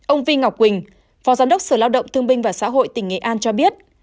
ông vi ngọc quỳnh phó giám đốc sở lao động thương binh và xã hội tỉnh nghệ an cho biết